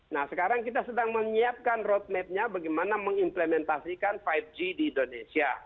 nah sekarang kita sedang menyiapkan roadmapnya bagaimana mengimplementasikan lima g di indonesia